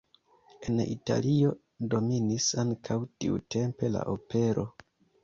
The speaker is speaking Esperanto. En Italio dominis ankaŭ tiutempe la opero.